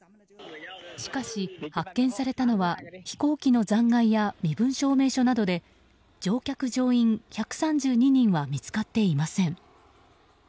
しかし、発見されたのは飛行機の残骸や身分証明書などで乗客・乗員１３２人は見つかっていません。